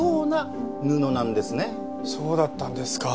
そうだったんですか。